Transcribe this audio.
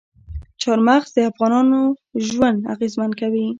چار مغز د افغانانو ژوند اغېزمن کوي.